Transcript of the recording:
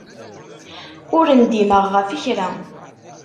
Ur ndimeɣ ɣef kra.